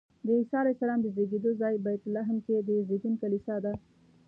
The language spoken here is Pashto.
د عیسی علیه السلام د زېږېدو ځای بیت لحم کې د زېږون کلیسا ده.